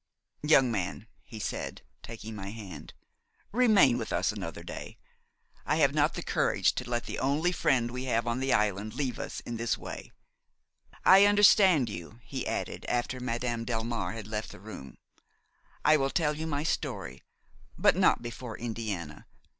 "Young man," he said, taking my hand, "remain with us another day; I have not the courage to let the only friend we have on the island leave us in this way–I understand you," he added, after Madame Delmare had left the room; "I will tell you my story, but not before Indiana.